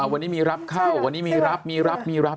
วันนี้มีรับเข้าวันนี้มีรับมีรับมีรับ